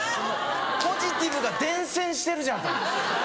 ポジティブが伝染してるじゃんと思って。